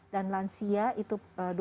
dan lansia itu